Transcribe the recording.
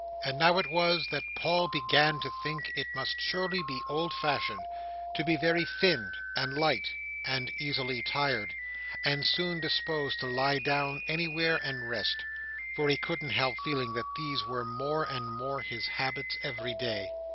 And now it was that Paul began to think it must surely be old fashioned to be very thin, and light, and easily tired, and soon disposed to lie down anywhere and rest; for he couldn't help feeling that these were more and more his habits every day.